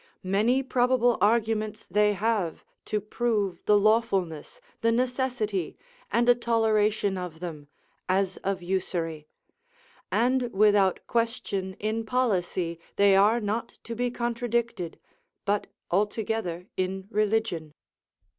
Many probable arguments they have to prove the lawfulness, the necessity, and a toleration of them, as of usury; and without question in policy they are not to be contradicted: but altogether in religion.